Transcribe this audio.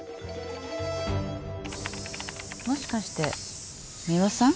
もしかして美羽さん？